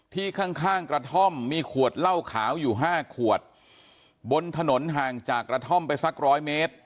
ข้างข้างกระท่อมมีขวดเหล้าขาวอยู่ห้าขวดบนถนนห่างจากกระท่อมไปสักร้อยเมตร